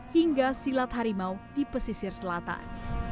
hingga silat harimau di pesisir selatan